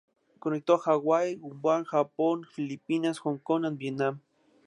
Conectó Hawái, Guam, Japón, Filipinas, Hong Kong and Vietnam.